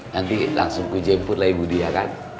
nanti langsung ku jemput lah ibu dia kan